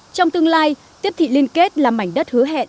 trong tương lai tiếp thị liên kết là mảnh đất hứa hẹn